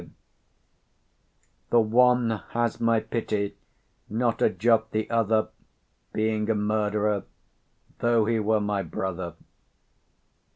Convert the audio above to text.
_ 55 The one has my pity; not a jot the other, Being a murderer, though he were my brother.